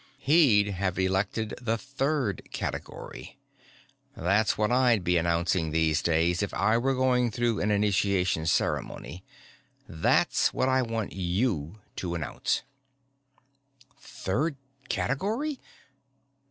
"He'd have elected the third category. That's what I'd be announcing these days, if I were going through an initiation ceremony. That's what I want you to announce." "Third category?